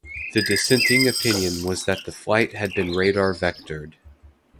The dissenting opinion was that the flight had been radar vectored.